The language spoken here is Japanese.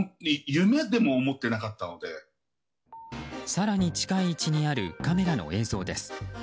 更に近い位置にあるカメラの映像です。